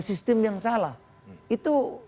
sistem yang salah itu